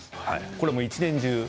これは一年中？